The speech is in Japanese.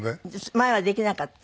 前はできなかった？